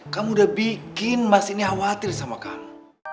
kamu udah bikin mas ini khawatir sama kamu